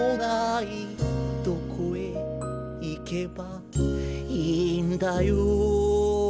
「どこへ行けばいいんだよ」